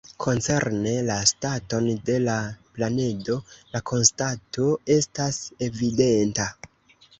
Koncerne la staton de la planedo, la konstato estas evidenta.